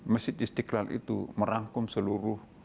masjid istiqlal itu merangkum seluruh